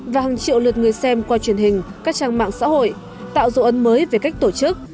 và hàng triệu lượt người xem qua truyền hình các trang mạng xã hội tạo dấu ấn mới về cách tổ chức